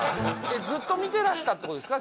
ずっと見てらしたってことですか？